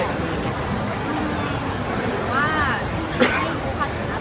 ช่องความหล่อของพี่ต้องการอันนี้นะครับ